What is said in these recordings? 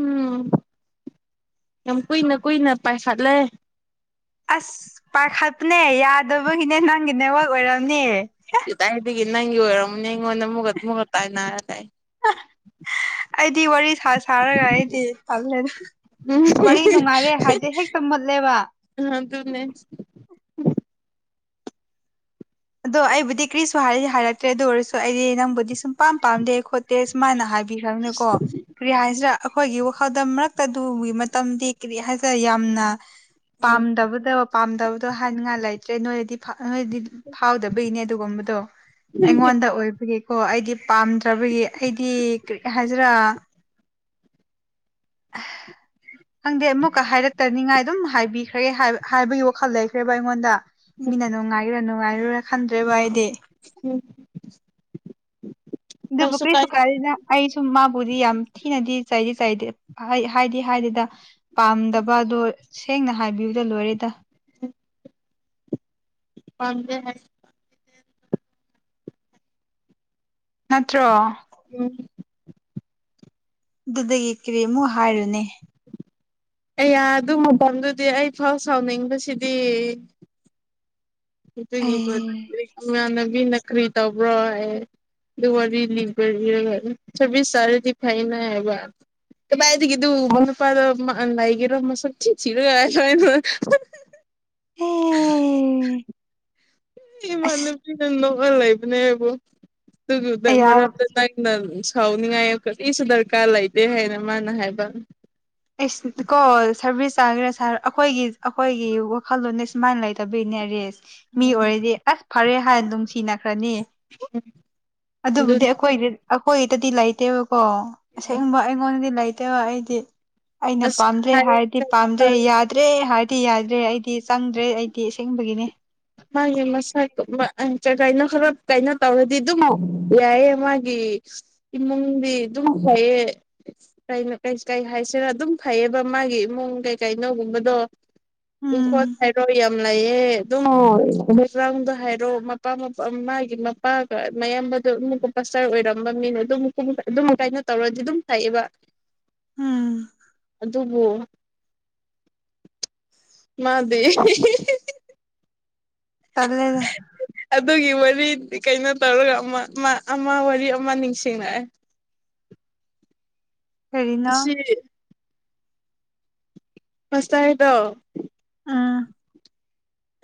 ꯎꯝ ꯌꯥꯝ ꯀꯨꯏꯅ ꯀꯨꯏꯅ ꯄꯥꯏꯈꯠꯂꯦ ꯑꯁ ꯄꯥꯈꯠꯄꯅꯦ ꯌꯥꯗꯕꯒꯤꯅꯦ ꯅꯪꯒꯤ ꯅꯦꯋꯜ ꯑꯣꯏꯔꯝꯅꯦ ꯑꯗꯨ ꯑꯩꯗꯒꯤ ꯅꯪꯒꯤ ꯑꯣꯏꯔꯝꯅꯦ ꯑꯩꯉꯣꯟꯗ ꯑꯃꯨꯒ ꯃꯨꯒꯠ ꯇꯥꯏꯅꯔꯒ ꯑꯩ ꯑꯩꯗꯤ ꯋꯥꯔꯤ ꯁꯥꯔꯒ ꯑꯩꯗꯤ ꯄꯜꯂꯦꯗ ꯎꯝ ꯋꯥꯔꯤ ꯅꯨꯡꯉꯥꯏꯔꯦ ꯍꯥꯏꯗꯤ ꯍꯦꯛꯇ ꯃꯠꯂꯦꯕ ꯑ ꯐꯃꯦ ꯑꯗꯣ ꯑꯩꯕꯨꯗꯤ ꯀꯔꯤꯁꯨ ꯍꯥꯏꯔꯗꯤ ꯍꯥꯏꯔꯛꯇ꯭ꯔꯦ ꯑꯗꯨ ꯑꯣꯏꯔꯁꯨ ꯑꯩꯗꯤ ꯅꯪꯕꯨꯗꯤ ꯁꯨꯝ ꯑꯄꯥꯝ ꯄꯥꯝꯗꯦ ꯈꯣꯠꯇꯦ ꯁꯨꯃꯥꯏꯅ ꯍꯥꯏꯕꯤꯈ꯭ꯔꯕꯅꯤꯀꯣ ꯀꯔꯤ ꯍꯥꯏꯁꯤꯗ ꯑꯩꯈꯣꯏꯒꯤ ꯋꯥꯈꯗꯝ ꯃꯔꯛ ꯑꯗꯨꯒꯤ ꯃꯇꯝꯗꯤ ꯀꯔꯤ ꯍꯥꯏꯁꯦ ꯌꯥꯝꯅ ꯎꯝ ꯄꯥꯝꯗꯕꯗ ꯄꯥꯝꯗꯕꯗꯣ ꯍꯥꯏꯅꯤꯡꯉꯥꯏ ꯂꯩꯇ꯭ꯔꯦ ꯅꯣꯏꯅꯗꯤ ꯅꯣꯏꯗꯤ ꯐꯥꯎꯗꯕꯒꯤꯅꯦ ꯑꯗꯨꯒꯨꯝꯕꯗꯣ ꯑꯩꯉꯣꯟꯗ ꯑꯣꯏꯕ ꯀꯣ ꯑꯩꯗꯤ ꯄꯥꯝꯗ꯭ꯔꯕꯒꯤ ꯑꯩꯗꯤ ꯀꯔꯤ ꯍꯥꯏꯁꯤꯔꯥ ꯈꯪꯗꯦ ꯑꯃꯨꯛꯀ ꯍꯥꯏꯔꯛꯇꯅꯤꯉꯥꯏ ꯑꯗꯨꯝ ꯍꯥꯏꯕꯤꯌꯨ ꯈ꯭ꯔꯦ ꯍꯥꯏ ꯍꯥꯏꯕꯒꯤ ꯋꯥꯈꯜ ꯂꯩꯈ꯭ꯔꯦꯕ ꯑꯩꯉꯣꯟꯗ ꯎꯝ ꯃꯤꯅ ꯅꯨꯡꯉꯥꯏꯔꯥ ꯅꯨꯡꯉꯥꯏꯔꯨꯔꯥ ꯈꯟꯗ꯭ꯔꯦꯕ ꯑꯩꯗꯤ ꯎꯝ ꯀꯩꯁꯨ ꯑꯗꯨꯗꯨꯕꯛꯔꯤ ꯀꯥꯏꯗꯦ ꯁꯨꯀꯥꯏꯗ ꯑꯩ ꯁꯨꯝ ꯃꯥꯕꯨꯗꯤ ꯌꯥꯝ ꯊꯤꯅꯗꯤ ꯆꯩꯥꯏꯗꯤ ꯆꯩꯥꯏꯗꯦ ꯍꯥꯏꯗꯤ ꯍꯥꯏꯗꯤꯗ ꯄꯥꯝꯗꯕꯗꯣ ꯁꯦꯡꯅ ꯍꯥꯏꯕꯤꯌꯨꯗ ꯂꯣꯏꯔꯦꯗ ꯎꯝ ꯄꯗ ꯍꯥꯏ ꯅꯠꯇ꯭ꯔꯣ ꯎꯝ ꯑꯗꯨꯗꯒꯤ ꯀꯔꯤꯃꯨ ꯍꯥꯏꯔꯨꯅꯦ ꯑꯦꯌꯥ ꯑꯗꯨ ꯃꯐꯝꯗꯨꯗꯤ ꯑꯩ ꯐꯥꯎ ꯁꯥꯎꯅꯤꯡꯕꯁꯤꯗꯤ ꯑꯩ ꯑꯗꯨꯒꯤ ꯏꯃꯥꯟꯅꯕꯤꯅ ꯀꯔꯤ ꯇꯧꯕ꯭ꯔꯣ ꯍꯥꯏ ꯂꯤꯕ ꯆꯕꯤꯁ ꯁꯥꯦ ꯂꯐꯥꯏꯅ ꯍꯥꯏꯕ ꯀꯕꯥꯏꯗꯒꯤꯗꯨ ꯃꯃ ꯅꯨꯄꯥꯗꯣ ꯂꯩꯒꯦꯔꯣ ꯃꯁꯛ ꯊꯤ ꯊꯤꯔꯒꯅ [unintelligible] ꯑꯣ ꯏꯃꯥꯟꯅꯄꯤꯅ ꯅꯣꯛꯑ ꯂꯩꯕꯅꯦꯕꯨ ꯑꯗꯨꯗꯨꯗ ꯑꯩ ꯃꯔꯝ ꯅ ꯁꯥꯎꯅꯤꯡꯉꯥꯏ ꯑꯩꯁꯨ ꯗꯔꯀꯥꯔ ꯂꯩꯇꯦ ꯍꯥꯏꯅ ꯃꯥꯅ ꯍꯥꯏꯕ ꯁ ꯀꯣ ꯁꯥꯔꯚꯤꯁ ꯆꯥꯈ꯭ꯔꯦ ꯁꯥꯔ ꯑꯩꯈꯣꯏꯒꯤ ꯑꯩꯈꯣꯏꯒꯤ ꯋꯥꯈꯜꯂꯣꯟꯅꯦ ꯁꯨꯃꯥꯏꯅ ꯂꯩꯇꯕꯒꯤꯅꯦ ꯔꯦꯁ ꯃꯤ ꯑꯣꯏꯔꯗꯤ ꯑꯁ ꯐꯔꯦ ꯍꯥꯏꯅ ꯅꯨꯡꯁꯤꯅꯈ꯭ꯔꯅꯤ ꯎꯝ ꯑꯗꯨꯕꯨꯗꯤ ꯑꯩꯈꯣꯏꯗꯤ ꯑꯩꯈꯣꯏꯗꯗꯤ ꯂꯩꯇꯦꯕꯀꯣ ꯑꯁꯦꯡꯕ ꯑꯩꯉꯣꯟꯗꯗꯤ ꯂꯩꯇ ꯑꯩꯗꯤ ꯑꯩꯅ ꯑꯁ ꯄꯥꯝꯗ꯭ꯔꯦ ꯍꯥꯏ ꯍꯥꯏꯔꯗꯤ ꯀꯩꯅꯣ ꯄꯥꯝꯗ꯭ꯔꯦ ꯇꯧꯔꯗꯤ ꯌꯥꯗ꯭ꯔꯦ ꯑꯦ ꯍꯥꯏꯗꯤ ꯌꯥꯗ꯭ꯔꯦ ꯑꯩꯗꯤ ꯆꯪꯗ꯭ꯔꯦ ꯑꯩꯗꯤ ꯏꯁꯤꯡꯦꯡꯕꯒꯤꯅꯤ ꯃꯥꯒꯤ ꯃꯁꯛꯒꯥꯏꯅ ꯈꯔ ꯀꯥꯏꯅꯣ ꯇꯧꯔꯗꯤ ꯑꯗꯨꯝ ꯌꯥꯏꯑ ꯃꯥꯒꯤ ꯏꯃꯨꯡꯗꯤ ꯑꯗꯨꯝ ꯍꯩꯌꯦ ꯀꯩꯅꯣ ꯀꯩ ꯀꯩ ꯍꯥꯏꯁꯤꯔ ꯑꯗꯨꯝ ꯐꯩꯌꯦꯕ ꯃꯥꯒꯤ ꯏꯃꯨꯡ ꯀꯩꯀꯩꯅꯣꯒꯨꯝꯕꯗꯣ ꯏꯪꯈꯣꯜ ꯎꯝ ꯍꯥꯏꯔꯣ ꯌꯥꯝ ꯂꯩꯌꯦꯦ ꯑꯗꯨꯝ ꯑꯣꯆꯥꯡꯗꯣ ꯍꯥꯏꯔꯣ ꯃꯄꯥ ꯃꯄꯥ ꯃꯥꯒꯤ ꯃꯄꯥꯒ ꯃꯌꯥꯝꯕꯗ ꯀꯁꯇꯔ ꯑꯣꯏꯔꯝꯕ ꯃꯤꯅ ꯑꯗꯨꯝ ꯑꯗꯨꯝ ꯀꯥꯏꯅꯣ ꯇꯧꯔꯗꯤ ꯑꯗꯨꯝ ꯊꯥꯛꯑꯦꯕ ꯎꯝ ꯑꯗꯨꯕꯨ ꯃꯥꯗꯤ ꯇꯂꯦꯅ ꯑꯗꯨꯒꯤ ꯋꯥꯔꯤ ꯀꯩꯅꯣ ꯇꯧꯔꯒ ꯑꯃ ꯋꯥꯔꯤ ꯑꯃ ꯅꯤꯡꯁꯤꯡꯅꯑꯦ ꯀꯔꯤꯅꯣ ꯑꯁꯤ ꯃꯁ ꯍꯥꯏꯗꯣ ꯎꯝ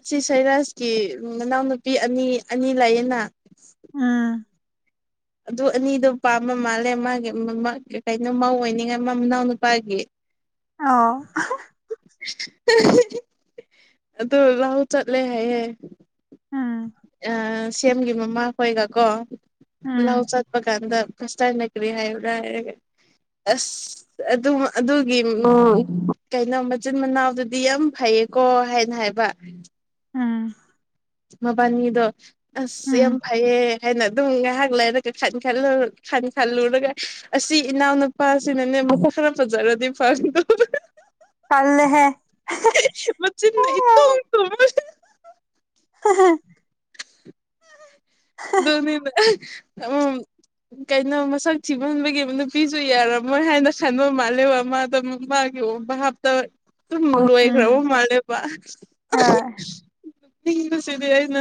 ꯑꯁꯤ ꯁꯩꯔꯖꯀꯤ ꯃꯅꯥꯎꯅꯨꯄꯤ ꯑꯅꯤ ꯑꯅꯤ ꯂꯥꯛꯌꯦꯅ ꯎꯝ ꯑꯗꯨ ꯑꯅꯤꯗꯣ ꯄꯥꯝꯕ ꯃꯥꯜꯂꯦ ꯃꯥꯒꯤ ꯀꯩꯅꯣ ꯃꯧ ꯑꯣꯏꯅꯤꯉꯥꯏ ꯃ ꯃꯅꯥꯎ ꯅꯨꯄꯥꯒꯤ ꯑꯣ ꯑꯗꯨ ꯂꯥꯛꯥꯎ ꯆꯠꯂꯦ ꯍꯥꯏꯍꯦ ꯎꯝ ꯁꯦꯝꯒꯤ ꯃꯃꯥꯈꯣꯏꯒꯀꯣ ꯄꯨꯂ ꯎꯝ ꯆꯠꯄ ꯀꯥꯟꯗ ꯀꯁꯅ ꯀꯔꯤ ꯍꯥꯏꯔ ꯑꯁ ꯑꯗꯨ ꯑꯗꯨꯒꯤ ꯀꯩꯅꯣ ꯃꯆꯤꯟ ꯃꯅꯥꯎꯗꯨꯗꯤ ꯌꯥꯝ ꯐꯩꯌꯦ ꯀꯣ ꯍꯥꯏꯅ ꯍꯥꯏꯕ ꯎꯝ ꯃꯕꯥꯅꯤꯗꯨ ꯑꯁ ꯌꯥꯝ ꯎꯝ ꯐꯩꯌꯦ ꯍꯥꯏꯅ ꯑꯗꯨꯝ ꯉꯥꯏꯍꯥꯛ ꯂꯩꯔꯒ ꯈꯟ ꯈ ꯈ ꯈꯜꯂꯨꯔꯒ ꯑꯁꯤ ꯏꯅꯥꯎꯅꯨꯄꯥꯁꯤꯅꯅꯦ ꯃꯁꯛ ꯈꯔꯥ ꯐꯖꯔꯗꯤ ꯐꯒꯗꯕ [inaudible] ꯇꯜꯂꯦꯍꯦ ꯆꯤꯟꯅ ꯏꯇꯨꯝ ꯇꯨꯝ [inaudible] ꯑꯗꯨꯨꯅꯤꯗ ꯎꯝ ꯀꯩꯅꯣ ꯃꯁꯛ ꯊꯤꯃꯟꯕꯒꯤ ꯅꯨꯄꯤꯁꯨ ꯌꯥꯔꯝꯃꯣꯏ ꯍꯥꯏꯅ ꯈꯟꯕ ꯃꯥꯜꯂꯦꯕ ꯃꯥꯗꯣ ꯃꯥ ꯌꯣ ꯍꯥꯞꯇ ꯑꯗꯨꯨꯝ ꯎꯝ ꯂꯣꯏꯈ꯭ꯔꯕ ꯃꯥꯜꯂꯦꯕ ꯍꯣꯏ ꯕꯁꯤꯗꯤ ꯑꯩꯅ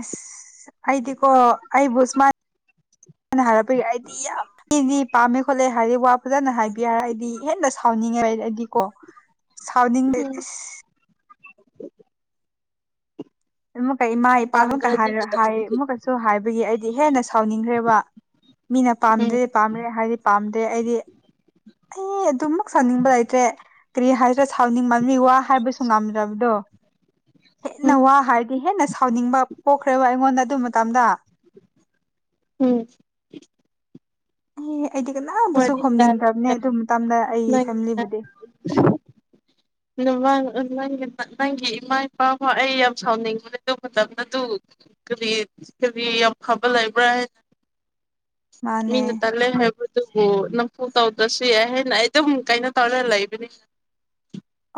ꯑꯁ ꯑꯩꯗꯤꯀꯣ ꯑꯩꯕꯨ ꯁꯨꯃꯥꯏꯅ ꯍꯥꯏꯔꯛꯄꯒꯤ ꯑꯩꯗꯤ ꯌꯥꯝ ꯃꯤꯗꯤ ꯄꯥꯝꯃꯦ ꯈꯣꯠꯂꯦ ꯍꯥꯏꯔꯗꯤ ꯋꯥ ꯐꯖꯅ ꯍꯥꯏꯕꯤ ꯍꯥꯏ ꯑꯩꯗꯤ ꯍꯦꯟꯅ ꯁꯥꯎꯅꯤꯡꯉꯦ ꯑꯩꯗꯤ ꯀꯣ ꯁꯥꯎꯅꯤꯡ ꯎꯝ ꯑꯃꯨꯛꯀ ꯏꯃꯥ ꯏꯄꯥ ꯑꯃꯀ ꯄꯥꯝꯗ꯭ꯔꯗꯤ ꯍꯥꯏ ꯀꯗꯥꯏꯗꯒꯤ ꯑꯃꯨꯛꯀꯁꯨ ꯍꯥꯏꯕꯒꯤ ꯑꯩꯗꯤ ꯍꯦꯟꯅ ꯁꯥꯎꯅꯤꯡꯈ꯭ꯔꯦꯕ ꯃꯤꯅ ꯎꯝ ꯄꯥꯝꯗ꯭ꯔꯦ ꯄꯥꯝꯗꯦ ꯍꯥꯏꯗꯤ ꯄꯥꯝꯗ꯭ꯔꯦ ꯑꯩꯗꯤ ꯑꯩ ꯑꯗꯨꯝꯃꯛ ꯁꯥꯎꯅꯤꯡꯕ ꯂꯩꯇ꯭ꯔꯦ ꯀꯔꯤ ꯍꯥꯏꯁꯤꯔ ꯁꯥꯎꯅꯤꯡꯃꯟꯕꯒꯤ ꯋꯥ ꯍꯥꯏꯕꯁꯨ ꯉꯝꯗ꯭ꯔꯕꯗꯣ ꯍꯦꯟꯅ ꯎꯝ ꯋꯥ ꯍꯥꯏꯔꯗꯤ ꯍꯦꯟꯅ ꯁꯥꯎꯅꯤꯡꯕ ꯄꯣꯛꯈ꯭ꯔꯦꯕ ꯑꯩꯉꯣꯟꯗ ꯑꯗꯨ ꯃꯇꯝꯗ ꯎꯝ ꯑꯦ ꯑꯩꯗꯤ ꯀꯅꯥꯕꯨꯁꯨ ꯋꯥꯔꯤ ꯈꯨꯝꯅꯤꯡꯗ꯭ꯔꯕꯅꯦ ꯇꯥꯔꯒ ꯑꯗꯨ ꯃꯇꯝꯗ ꯑꯩ ꯅꯪꯒꯤꯅ ꯐꯦꯃꯤꯂꯤꯕꯨꯗꯤ [inaudible] [unintelligible] ꯀꯔꯤ ꯀꯔꯤ ꯌꯥꯝ ꯐꯕ ꯂꯩꯕ꯭ꯔꯥ ꯍꯥꯏꯅ ꯃꯥꯅꯦ ꯃꯤꯅ ꯇꯜꯂꯦ ꯍꯥꯏꯕ ꯑꯗꯨꯕꯨ ꯅꯝꯐꯨ ꯇꯧꯗ꯭ꯔꯁꯨ ꯌꯥꯏ ꯍꯥꯏꯅ ꯑꯩ ꯑꯗꯨꯝ ꯀꯩꯅꯣ ꯇꯧꯔꯒ ꯂꯩꯕꯅꯤ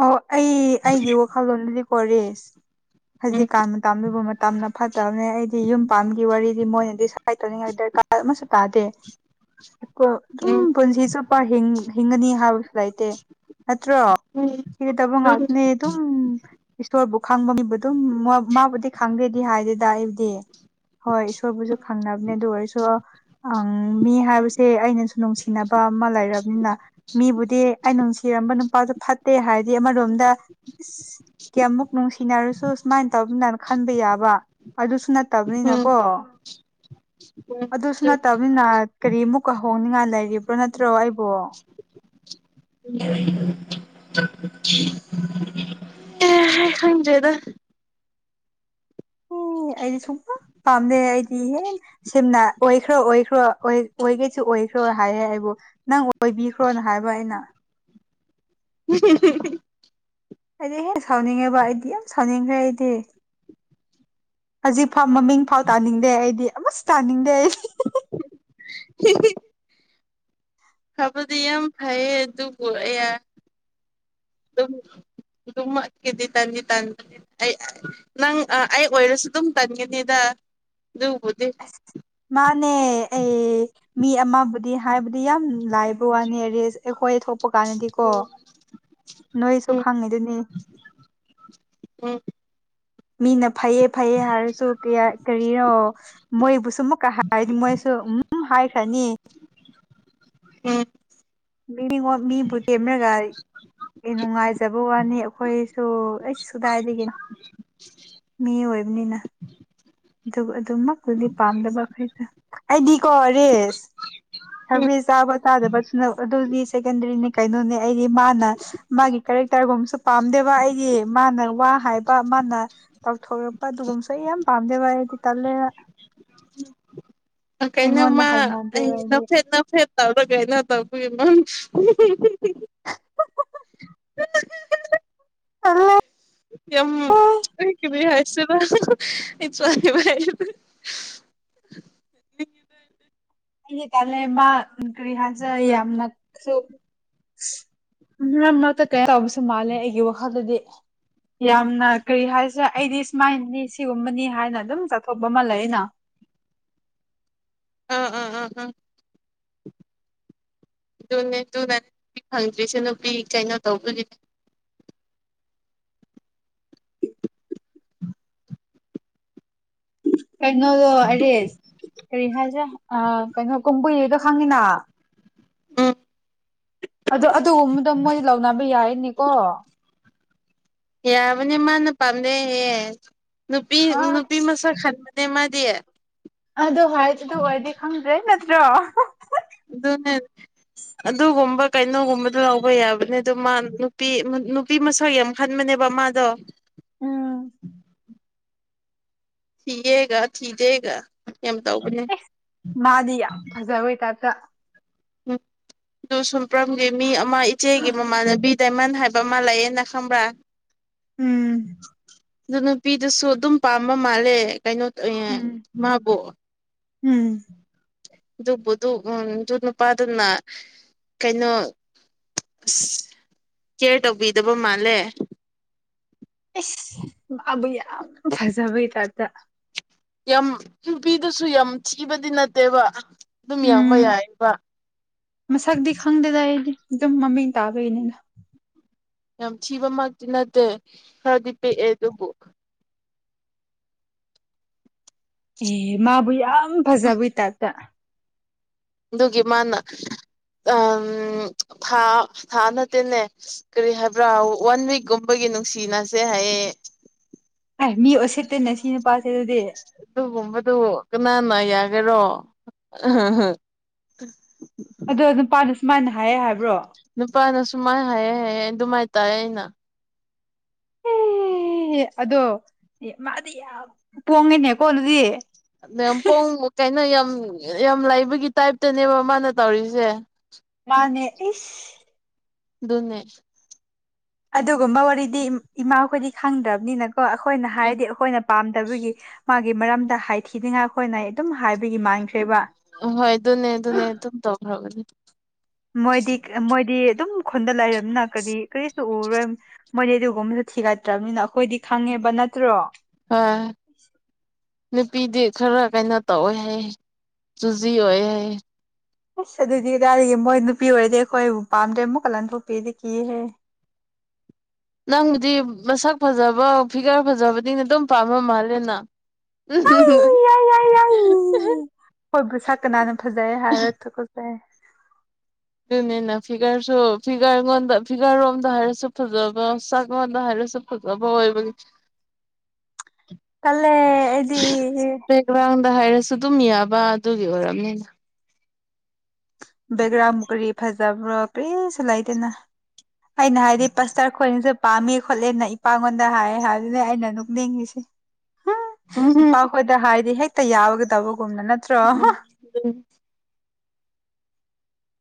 ꯑꯣ ꯑꯩ ꯑꯩꯒꯤ ꯋꯥꯈꯜꯂꯣꯟꯗꯗꯤꯀꯣ ꯔꯤꯁ ꯎꯝ ꯍꯧꯖꯤꯛꯀꯥꯟ ꯇꯥꯝꯕꯤꯕ ꯃꯇꯝꯗ ꯐꯠꯇꯕꯅꯦ ꯑꯩꯗꯤ ꯌꯨꯝ ꯄꯥꯟꯕꯒꯤ ꯋꯥꯔꯤꯗꯤ ꯃꯣꯏꯅ ꯗꯤꯁꯥꯏꯠ ꯇꯧꯅꯤꯡꯉꯥꯏ ꯗꯔꯀꯥꯔ ꯑꯃꯁꯨ ꯇꯥꯗꯦ [inaudible] ꯑꯗꯨꯝ ꯎꯝ ꯄꯨꯟꯁꯤ ꯆꯨꯞꯄ ꯍꯤꯡꯒꯅꯤ ꯍꯥꯏꯕꯁꯨ ꯂꯩꯇꯦ ꯅꯠꯇ꯭ꯔꯣ ꯎꯝ ꯑꯗꯨꯝ ꯉꯥꯛꯇꯅꯦ ꯑꯗꯨꯝ ꯏꯁꯣꯔꯕꯨ ꯈꯪꯕ ꯃꯤꯕꯨ ꯑꯗꯨꯝ ꯃꯥꯕꯨꯗꯤ ꯈꯪꯗꯦꯗꯤ ꯍꯥꯏꯗꯦꯗ ꯑꯩꯗꯤ ꯍꯣꯏ ꯏꯁꯣꯔꯕꯨꯁꯨ ꯈꯪꯅꯕꯅꯦ ꯑꯗꯨ ꯑꯣꯏꯔꯁꯨ ꯑꯪ ꯃꯤ ꯍꯥꯏꯕꯁꯦ ꯑꯩꯅꯁꯨ ꯅꯨꯡꯁꯤꯅꯕ ꯑꯃ ꯂꯩꯔꯕꯅꯤꯅ ꯃꯤꯕꯨꯗꯤ ꯑꯩꯅ ꯅꯨꯡꯁꯤꯔꯝꯕ ꯅꯨꯄꯥꯁꯨ ꯐꯠ ꯍꯥꯏꯗꯤ ꯑꯃꯔꯣꯝꯗ ꯏꯁ ꯀꯌꯥꯃꯨꯛ ꯅꯨꯡꯁꯤꯅꯔꯁꯨ ꯁꯨꯃꯥꯏꯅ ꯇꯧꯅꯤꯅ ꯈꯟꯕ ꯌꯥꯕ ꯑꯗꯨꯁꯨ ꯎꯝ ꯅꯠꯇꯕꯅꯤꯅꯀꯣ ꯎꯝ ꯑꯗꯨꯁꯨ ꯅꯠꯇꯕꯅꯤꯅ ꯀꯔꯤꯃꯨꯛꯀ ꯍꯣꯡꯅꯤꯡꯉꯥꯏ ꯂꯩꯔꯤꯕ꯭ꯔꯣ ꯅꯠꯇ꯭ꯔꯣ ꯑꯩꯕꯨ [inaudible] ꯑꯦ ꯈꯪꯗꯔ꯭ꯦꯗꯥ ꯎꯝ ꯑꯩꯗꯤ ꯁꯨꯡꯄꯥꯝ ꯄꯥꯝꯗꯦ ꯑꯩꯗꯤ ꯍꯦ ꯁꯤꯝꯅ ꯑꯣꯏꯈ꯭ꯔꯣ ꯑꯣꯏꯈ꯭ꯔꯣ ꯑꯣꯏꯒꯦꯁꯨ ꯑꯣꯏꯈ꯭ꯔꯣ ꯍꯥꯏ ꯍꯥꯏꯕꯨ ꯅꯪ ꯑꯣꯏꯕꯤꯈ꯭ꯔꯣꯅ ꯍꯥꯏꯕ ꯑꯩꯅ [inaudible] ꯑꯩꯗꯤ ꯍꯦꯟꯅ ꯁꯥꯎꯅꯤꯡꯉꯦꯕ ꯑꯩꯗꯤ ꯌꯥꯝ ꯁꯥꯎꯅꯤꯡꯈ꯭ꯔꯦ ꯑꯩꯗꯤ ꯍꯧꯖꯤꯛꯐꯥꯎ ꯃꯃꯤꯡ ꯐꯥꯎ ꯇꯥꯅꯤꯡꯗꯦ ꯑꯩꯗꯤ ꯑꯃꯁꯨ ꯇꯥꯅꯤꯡꯗꯦ ꯑꯩꯗꯤ [inaudible] ꯐꯕꯗꯤ ꯌꯥꯝ ꯐꯩꯌꯦ ꯑꯗꯨꯕꯨ ꯑꯩꯌꯥ ꯑꯗꯨꯝ ꯇꯟꯗꯤ ꯇꯟꯕꯅꯦ ꯑꯩ ꯅꯪ ꯑꯩ ꯑꯣꯏꯔꯁꯨ ꯑꯗꯨꯝ ꯇꯟꯒꯅꯤꯗ ꯑꯗꯨꯕꯨꯗꯤ ꯑꯁ ꯃꯥꯅꯦ ꯑꯩ ꯃꯤ ꯑꯃꯕꯨꯗꯤ ꯍꯥꯏꯕꯗꯤ ꯌꯥꯝ ꯂꯥꯏꯕ ꯋꯥꯅꯤ ꯔꯦꯁ ꯑꯩꯈꯣꯏ ꯊꯣꯛꯄ ꯀꯥꯟꯗꯗꯤꯀꯣ ꯅꯣꯏꯁꯨ ꯎꯝ ꯈꯪꯉꯤꯗꯨꯅꯤ ꯎꯝ ꯃꯤꯅ ꯐꯩꯌꯦ ꯐꯩꯌꯦ ꯍꯥꯏꯔꯁꯨ ꯀꯔꯤꯅꯣ ꯃꯣꯏꯕꯨ ꯁ ꯑꯃꯨꯛꯀꯥ ꯍꯥꯏꯗꯤ ꯃꯣꯏꯁꯨ ꯎꯝ ꯍꯥꯏꯈ꯭ꯔꯅꯤ ꯎꯝ ꯃꯤꯉ ꯃꯤꯕꯨ ꯇꯦꯝꯅ ꯒꯥꯔꯤ ꯑꯩ ꯅꯨꯡꯉꯥꯏꯖꯕ ꯋꯥꯅꯤ ꯑꯩꯈꯣꯏꯁꯨ ꯑꯩꯁ ꯀꯨꯗꯥꯏꯗꯒꯤ ꯃꯤ ꯑꯣꯏꯕꯅꯤꯅ ꯑꯗꯨ ꯑꯗꯨꯃꯛꯇꯨꯗꯤ ꯄꯥꯝꯗꯕ ꯑꯩꯈꯣꯏꯗ ꯑꯩꯗꯤꯀꯣ ꯦꯁ ꯊꯚꯔꯤ ꯆꯥꯕ ꯇꯥꯗꯕꯁꯨꯅ ꯑꯗꯨꯗꯤ ꯁꯦꯀꯦꯟꯗꯔꯤꯅꯦ ꯀꯩꯅꯣꯅꯦ ꯑꯩꯗꯤ ꯃꯥꯅ ꯃꯥꯒꯤ ꯀꯦꯔꯦꯛꯇꯔꯒꯨꯝꯕꯁꯨ ꯄꯥꯝꯗꯦꯕ ꯑꯩꯒꯤ ꯃꯥꯅ ꯋꯥ ꯍꯥꯏꯕ ꯃꯥꯅ ꯇꯥꯎꯊꯣꯔꯛꯄ ꯑꯗꯨꯒꯨꯝꯕꯁꯨ ꯑꯩ ꯌꯥꯝ ꯄꯥꯝꯖꯦ ꯚ ꯑꯩꯗꯤ ꯇꯂꯦ ꯀꯩꯅꯅ ꯑꯩꯉꯣꯟꯗ ꯃꯥ ꯑꯩ ꯍꯩꯅꯗꯦꯕ ꯑꯩꯗꯤ ꯅꯐꯦꯠ ꯅꯐꯦꯠ ꯇꯧꯗ ꯀꯥꯏꯅ ꯇꯧꯕꯨꯃ ꯌꯥꯝ ꯀ ꯍꯥꯏ ꯗ ꯏꯁꯨꯅꯤ ꯑꯩꯒꯤ ꯇꯥꯂꯕ ꯀꯔꯤꯍꯥꯁꯦ ꯌꯥꯝꯅ ꯃꯔꯛ ꯃꯔꯛꯇ ꯀꯩꯅ ꯇꯕꯁꯨ ꯃꯥꯜꯂꯦ ꯑꯩꯒꯤ ꯋꯥꯈꯜꯗꯗꯤ ꯌꯥꯝꯅ ꯀꯔꯤ ꯍꯥꯏꯁꯦ ꯑꯩꯗꯤ ꯁꯨꯃꯥꯏꯅꯅꯤ ꯁꯤꯒꯨꯝꯕꯅꯤ ꯍꯥꯏꯅ ꯑꯗꯨꯝ ꯆꯠꯊꯣꯛꯄ ꯃꯥꯜꯂ ꯑꯅ ꯑ ꯑ ꯑ ꯑ ꯑꯗꯨꯅꯦ ꯑꯗꯨꯅ ꯅꯨꯄꯤ ꯐꯪꯗ꯭ꯔꯤꯁꯨ ꯅꯨꯄꯤ ꯀꯩꯅꯣ ꯇꯧꯕꯒꯤꯅꯦ ꯀꯩꯅꯣꯗꯣ ꯑꯔꯦꯁ ꯀꯔꯤ ꯍꯥꯏꯁꯦ ꯀꯩꯅꯣ ꯀꯨꯝ ꯀꯨꯏꯔꯤꯗꯣ ꯈꯪꯉꯤꯅ ꯎꯝ ꯑꯗ ꯑꯗꯨꯒꯨꯝꯕꯗ ꯃꯣꯏ ꯂꯧꯅꯕ ꯌꯥꯏꯅꯤ ꯑꯣ ꯌꯥꯕꯅꯦ ꯃꯥꯅ ꯄꯥꯝꯃꯦ ꯍꯌꯦ ꯅꯨꯄꯤ ꯑ ꯅꯨꯄꯤ ꯃꯁꯛ ꯈꯟꯕꯅꯦ ꯃꯥꯗꯤ ꯑꯗꯨ ꯍꯥꯏꯗꯨꯗ ꯑꯣꯏꯔꯗꯤ ꯈꯪꯗ꯭ꯔꯦ ꯅꯠꯇ꯭ꯔꯣ ꯑꯗꯨꯅꯦ ꯑꯗꯨꯒꯨꯝꯕ ꯀꯩꯅꯣꯒꯨꯝꯕꯗ ꯂꯧꯕ ꯌꯥꯕꯅꯦ ꯑꯗꯨ ꯃꯥ ꯅꯨꯄꯤ ꯅꯨꯄꯤ ꯃꯁꯛ ꯌꯥꯝ ꯈꯟꯕꯅꯦꯕ ꯃꯥꯗꯣ ꯎꯝ ꯊꯤꯌꯦꯒ ꯊꯤꯗꯦꯒ ꯌꯥꯝ ꯇꯧꯕꯅꯤ ꯃꯥꯗꯤ ꯌꯥꯝ ꯐꯖꯕꯦꯏ ꯇꯥꯞꯇ ꯎꯝ ꯑꯗꯨ ꯁꯨꯝꯄ꯭ꯔꯝꯒꯤ ꯃꯤ ꯑꯃ ꯏꯆꯦꯒꯤ ꯃꯃꯥꯟꯅꯕꯤ ꯗꯥꯏꯃꯟ ꯍꯥꯏꯕ ꯑꯃꯥ ꯂꯩꯥꯏꯌꯦꯅꯥ ꯈꯪꯕ꯭ꯔꯥ ꯎꯝ ꯑꯗꯨ ꯅꯨꯄꯤꯗꯨꯁꯨ ꯑꯗꯨꯝ ꯄꯥꯝꯕ ꯃꯥꯜꯂꯦ ꯇꯩꯅꯣ ꯎꯝ ꯃꯥꯕꯣꯛ [inaudible] ꯎꯝ ꯑꯗꯨꯕꯨꯗꯨ ꯎꯝ ꯑꯗꯨ ꯅꯨꯄꯥꯗꯨꯅ ꯀꯩꯅꯣ ꯑꯁ ꯀꯦꯌꯔ ꯇꯧꯕꯤꯗꯕ ꯃꯥꯜꯂꯦ ꯑꯦꯁ ꯃꯥꯕꯨ ꯌꯥꯝꯅ ꯐꯖꯕꯩ ꯇꯞꯇ ꯌꯥꯝ ꯅꯨꯄꯤꯗꯨꯁꯨ ꯌꯥꯝ ꯊꯤꯕꯗꯤ ꯅꯠꯇꯦꯕ ꯑꯗꯨꯝ ꯌꯥꯡꯕ ꯎꯝ ꯌꯥꯏꯕ ꯃꯁꯛꯇꯤ ꯈꯪꯗꯦꯗ ꯑꯩꯗꯤ ꯑꯗꯨꯝ ꯃꯃꯤꯡ ꯇꯥꯕꯒꯤꯅꯤ ꯌꯥꯝ ꯊꯤꯕꯃꯛꯇꯤ ꯅꯠꯇꯦ ꯈꯔꯗꯤ ꯄꯤꯛꯑꯦ ꯑꯗꯨꯕꯨ ꯑꯦ ꯃꯥꯕꯨ ꯌꯥꯝ ꯐꯖꯕꯩ ꯇꯥꯛꯇ ꯑꯗꯨꯒꯤ ꯃꯥꯅ ꯎ ꯊꯥ ꯊꯥ ꯅꯠꯇꯦꯅꯦ ꯀꯔꯤ ꯍꯥꯏꯕ꯭ꯔꯥ ꯋꯥꯟ ꯋꯤꯛꯀꯨꯝꯕꯒꯤ ꯅꯨꯡꯁꯤꯅꯁꯦ ꯍꯥꯏꯌꯦ ꯑꯦ ꯃꯤ ꯑꯣꯁꯦꯛꯇꯅꯦ ꯁꯤ ꯅꯨꯄꯥꯁꯦ ꯑꯗꯨꯗꯤ ꯑꯗꯨꯒꯨꯝꯕꯗꯨ ꯀꯅꯥꯅ ꯌꯥꯒꯔꯣ ꯎ [inaudible] ꯑꯗꯣ ꯅꯨꯄꯥꯅ ꯁꯨꯃꯥꯏꯅ ꯍꯥꯏꯌꯦ ꯍꯥꯏꯕ꯭ꯔꯣ ꯅꯨꯄꯥꯅꯁꯨ ꯃꯥꯏꯅ ꯍꯥꯏꯑꯦ ꯍꯥꯏꯑꯦ ꯑꯗꯨꯃꯥꯏꯅ ꯇꯥꯏꯑꯦ ꯑꯩꯅ [inaudible] ꯑꯦꯍꯦ ꯑꯗꯣ ꯃꯥꯗꯤ ꯌꯥꯝ ꯄꯣꯡꯉꯦꯅꯦꯀꯣ ꯑꯗꯨꯗꯤ ꯃ ꯄꯣꯡ ꯀꯩꯅꯣ ꯌꯥꯝ ꯌꯥꯝ ꯂꯩꯥꯏꯕꯒꯤ ꯇꯥꯏꯞꯇꯅꯦꯕ ꯃꯥꯅ ꯇꯧꯔꯤꯁꯦ [inaudible] ꯃꯥꯅꯦ ꯏꯁ ꯑꯗꯨꯨꯅꯦ ꯑꯗꯨꯒꯨꯝꯕ ꯋꯥꯔꯤꯗꯤ ꯏꯃꯥꯈꯣꯏꯗꯤ ꯈꯪꯗ꯭ꯔꯕꯅꯤꯅꯀꯣ ꯑꯩꯈꯣꯏꯅ ꯎꯝ ꯍꯥꯏꯔꯗꯤ ꯑꯩꯈꯣꯏꯅ ꯄꯥꯝꯗꯕꯒꯤ ꯃꯥꯒꯤ ꯃꯔꯝꯗ ꯍꯥꯏꯊꯤꯅꯤꯡꯉꯥꯏ ꯑꯩꯈꯣꯏꯅ ꯑꯗꯨꯝ ꯍꯥꯏꯕꯒꯤ ꯃꯥꯡꯈ꯭ꯔꯦꯕ ꯍꯣꯏ ꯑꯗꯨꯅꯦ ꯑꯗꯨꯅꯦ ꯑꯗꯨꯝ ꯇꯧꯈꯔꯝꯅꯦ ꯃꯣꯏꯗꯤ ꯃꯣꯏꯗꯤ ꯑꯗꯨꯝ ꯈꯨꯟꯗ ꯂꯩꯔꯕꯅꯤꯅ ꯀꯔꯤ ꯀꯔꯤꯁꯨ ꯎꯔꯣꯏ ꯃꯣꯏꯗꯤ ꯑꯗꯨꯒꯨꯝꯕꯁꯨ ꯊꯤꯒꯠꯇ꯭ꯔꯕꯅꯤꯅ ꯑꯩꯈꯣꯏꯗꯤ ꯈꯪꯉꯦꯕ ꯅꯠꯇ꯭ꯔꯣ ꯍꯣꯏ ꯅꯨꯄꯤꯗꯤ ꯈꯔ ꯀꯩꯅꯣ ꯇꯧꯋꯦ ꯍꯥꯏ ꯆꯨꯖꯤ ꯑꯣꯏ ꯍꯥꯏ ꯑꯁ ꯑꯗꯨꯗꯤ ꯀꯗꯥꯏꯔꯤꯒꯤ ꯃꯣꯏ ꯅꯨꯄꯤ ꯑꯣꯏꯔꯗꯤ ꯑꯩꯈꯣꯏꯕꯨ ꯄꯥꯝꯗ꯭ꯔꯦ ꯑꯃꯨꯛ ꯀ ꯂꯟꯄꯣꯛꯄꯤꯗꯤ ꯀꯤꯍꯦ ꯅꯪꯕꯨꯗꯤ ꯃꯁꯛ ꯐꯖꯕ ꯐꯤꯒꯔ ꯐꯖꯕꯅꯤꯅ ꯑꯗꯨꯝ ꯄꯥꯝꯃꯝꯃꯅꯤꯅꯥ ꯑꯩ [unintelligible] ꯑꯩ ꯑꯩ [inaudible] ꯑꯩ ꯍꯣꯏꯕꯨ ꯁꯥꯠ ꯀꯅꯥꯟꯅ ꯐꯖꯩ ꯍꯥꯏꯔꯀꯈꯔꯥꯕꯒꯦ ꯑꯗꯨꯅꯤꯅ ꯐꯤꯒꯔꯁꯨ ꯐꯤꯒꯔꯉꯣꯟꯗ ꯐꯤꯒꯔꯣꯝꯗ ꯍꯥꯏꯔꯁꯨ ꯐꯖꯕ ꯁꯛꯉꯣꯟꯗ ꯍꯥꯏꯔꯁꯨ ꯇꯜꯂꯦ ꯑꯩꯗꯤ [unintelligible] [inaudible] ꯉꯔꯥꯡꯗ ꯍꯥꯏꯔꯁꯨ ꯑꯗꯨꯝ ꯌꯥꯕ ꯑꯗꯨꯒꯤ ꯑꯣꯏꯔꯝꯅꯤ ꯕꯦꯛꯒ꯭ꯔꯥꯎꯟ ꯃꯨꯛ ꯀꯔꯤ ꯐꯖꯕ꯭ꯔꯣ ꯄꯔꯤꯁꯨ ꯂꯩꯗꯦꯅ ꯑꯩꯅ ꯍꯥꯏꯗꯤ ꯄꯁ ꯇꯔ ꯑꯩꯈꯣꯏꯅꯁꯨ ꯄꯥꯝꯃꯦ ꯈꯣꯠꯂꯦꯅ ꯏꯄꯉꯣꯟꯗ ꯍꯥꯏꯌꯦ ꯍꯥꯏꯕꯅꯦ ꯑꯩꯅ ꯅꯨꯡꯇꯤꯒꯤ ꯎꯝ ꯏꯄꯥꯈꯣꯏꯗ ꯍꯥꯏꯗꯤ ꯍꯦꯛꯇ ꯌꯥꯎꯒꯗꯕꯒꯨꯝꯅ ꯅꯠꯇ [unintelligible]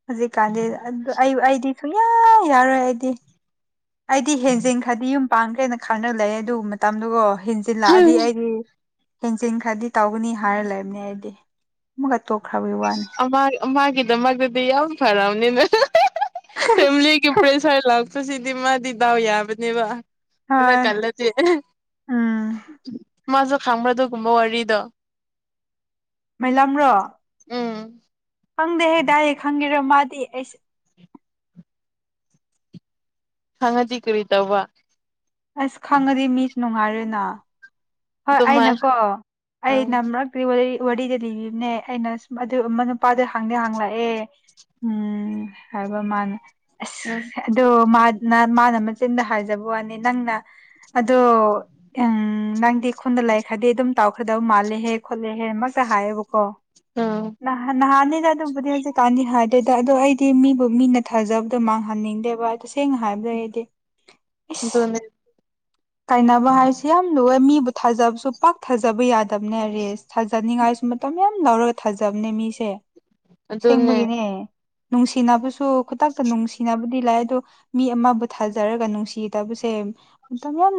ꯍꯧꯖꯤꯛꯀꯥꯟꯗꯤ ꯑꯩꯗꯤ ꯁꯨꯡꯌꯥ ꯌꯥꯔꯣꯏ ꯑꯩꯗꯤ ꯑꯩꯗꯤ ꯍꯦꯟꯖꯤꯜ ꯈꯔꯗꯤ ꯌꯨꯝ ꯄꯥꯡꯈ꯭ꯔꯦꯅ ꯈꯪꯅ ꯂꯩꯌꯦ ꯑꯗꯨ ꯃꯇꯝꯗꯨꯒꯣ ꯍꯦꯟ ꯇꯤꯜꯂꯛꯑꯗꯤ ꯑꯩꯗꯤ ꯍꯦꯟꯖꯤꯟꯈ꯭ꯔꯗꯤ ꯇꯧꯒꯅꯤ ꯍꯥꯏꯔ ꯂꯩꯕꯅꯦ ꯑꯩꯗꯤ ꯑꯃꯒ ꯇꯣꯛꯈ꯭ꯔꯕꯒꯤ ꯋꯥꯅꯤ ꯃꯥꯒꯤꯗꯃꯛꯇꯗꯤ ꯌꯥꯝ ꯐꯔꯕꯅꯤꯅ ꯐꯦꯃꯤꯂꯤꯒꯤ ꯄ꯭ꯔꯦꯁꯔ ꯂꯛ ꯁꯤꯗꯤ ꯃꯥꯗꯤ ꯗꯥꯎ ꯌꯥꯕꯅꯦꯕ ꯍꯂ ꯍꯣꯏ ꯀꯂꯗꯤ ꯎꯝ ꯃꯥꯁꯨ ꯈꯥꯡꯕ꯭ꯔ ꯗꯨꯒꯨꯝꯕ ꯋꯥꯔꯤꯗꯣ [unintelligible] ꯈꯪꯗꯦꯍꯦ ꯗꯥꯏꯔꯦꯛ ꯈꯪꯒꯦꯔꯣ ꯃꯥꯗꯤ ꯑꯩꯁ ꯍꯪꯉꯗꯤ ꯀꯔꯤ ꯇꯧꯕ ꯑꯁ ꯈꯪꯉꯗꯤ ꯃꯤꯁꯨ ꯅꯨꯡꯉꯥꯏꯔꯣꯏꯅ ꯍꯣꯏ ꯑꯗꯨꯃꯥꯏ ꯑꯩꯅꯀꯣ ꯎꯝ ꯑꯩꯅ ꯃꯔꯛꯇꯤ ꯋꯥꯔꯤ ꯋꯥꯔꯤꯗꯤ ꯂꯤꯕꯤꯕꯅꯦ ꯑꯩꯅ ꯑꯗꯨ ꯑꯃ ꯅꯨꯄꯥꯗ ꯍꯥꯡꯗꯤ ꯍꯥꯡꯂꯛꯑꯦ ꯎꯝ ꯍꯥꯏꯕ ꯃꯥꯅ ꯎꯝ ꯑꯁ ꯑꯗꯣ ꯃꯥꯅ ꯃꯥꯅ ꯃꯆꯤꯟꯗ ꯍꯥꯏꯖꯕ ꯋꯥꯅꯤ ꯅꯪꯅ ꯑꯗꯣ ꯎꯝ ꯅꯪꯗꯤ ꯈꯨꯨꯟꯗ ꯂꯩꯈ꯭ꯔꯗꯤ ꯑꯗꯨꯝ ꯇꯥꯎꯈ꯭ꯔꯗꯕ ꯃꯥꯜꯂꯦꯍꯦ ꯈꯣꯠꯂꯦꯍꯦ ꯑꯃꯛꯁꯨ ꯍꯥꯏꯌꯦꯕꯀꯣ ꯎꯝ ꯅꯍꯥꯟ ꯅꯍꯥꯟꯅꯤꯗ ꯑꯗꯨꯕꯨꯗꯤ ꯍꯧꯖꯤꯛꯀꯥꯟꯗꯤ ꯍꯥꯏꯗꯦꯗ ꯑꯗꯣ ꯑꯩꯗꯤ ꯃꯤꯕꯨ ꯃꯤꯅ ꯊꯥꯖꯕꯗꯣ ꯃꯥꯡꯍꯟꯅꯤꯡꯗꯦꯕ ꯇꯁꯦꯡꯅ ꯍꯥꯏꯕꯗ ꯑꯩꯗꯤ ꯏꯁ ꯑꯗꯨꯅꯦ ꯀꯥꯏꯅꯕ ꯍꯥꯏꯁꯦ ꯌꯥꯝ ꯂꯨꯑꯦ ꯃꯤꯕꯨ ꯊꯥꯖꯕꯁꯨ ꯄꯥꯛ ꯊꯥꯖꯕ ꯌꯥꯗꯕꯅꯦ ꯔꯦꯁ ꯊꯥꯖꯅꯤꯡꯉꯥꯏꯁꯨ ꯃꯇꯝ ꯃꯌꯥꯝ ꯂꯧꯔꯒ ꯊꯥꯖꯕꯅꯦ ꯃꯤꯁꯦ ꯑꯗꯨꯅꯦ ꯁꯦꯡꯕꯒꯤꯅꯦ ꯅꯨꯡꯁꯤꯅꯕꯁꯨ ꯈꯨꯗꯛꯇ ꯅꯨꯡꯁꯤꯅꯕꯗꯤ ꯂꯥꯏ ꯑꯗꯣ ꯃꯤ ꯑꯃꯕꯨ ꯊꯥꯖꯔꯒ ꯅꯨꯡꯁꯤꯗꯕꯁꯦ ꯃꯇꯝ ꯌꯥꯝ